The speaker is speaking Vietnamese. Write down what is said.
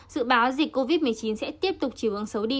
dự báo dịch covid một mươi chín sẽ tiếp tục chỉu ứng số đi